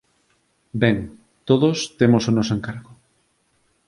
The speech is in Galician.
Ben, todos temos o noso encargo.